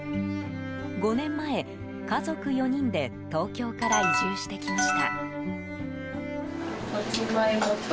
５年前、家族４人で東京から移住してきました。